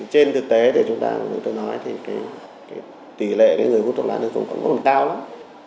trên thực tế tỷ lệ người hút thuốc lá thụ động vẫn còn cao lắm